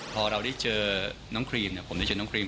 พอเราได้เจอน้องครีมผมได้เจอน้องครีม